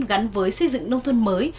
gắn với xây dựng nông thôn mới